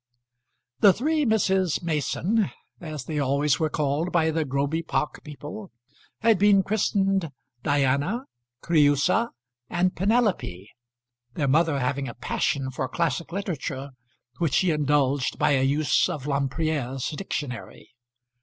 The three Misses Mason, as they always were called by the Groby Park people, had been christened Diana, Creusa, and Penelope, their mother having a passion for classic literature, which she indulged by a use of Lemprière's dictionary.